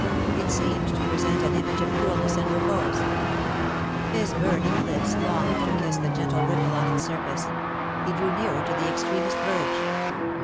It seemed to present an image of coolness and repose ; his burning lips longed to kiss the gentle ripple on its surface — he drew nearer to the extremest verge.